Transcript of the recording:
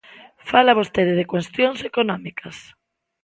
Fala vostede de cuestións económicas.